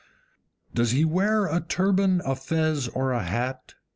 Does he wear a turban, a fez, or a hat?